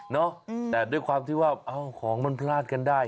แต่ด้วยความที่ว่าของมันพลาดกันได้